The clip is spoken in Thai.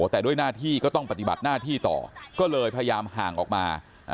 แต่ด้วยหน้าที่ก็ต้องปฏิบัติหน้าที่ต่อก็เลยพยายามห่างออกมา